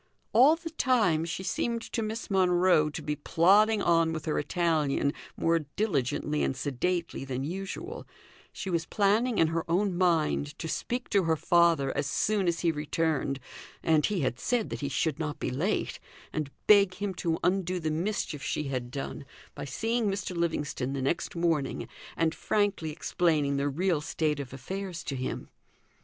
All the time she seemed to Miss Monro to be plodding on with her Italian more diligently and sedately than usual, she was planning in her own mind to speak to her father as soon as he returned (and he had said that he should not be late), and beg him to undo the mischief she had done by seeing Mr. Livingstone the next morning, and frankly explaining the real state of affairs to him.